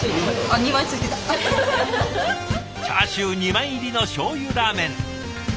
チャーシュー２枚入りのしょうゆラーメン。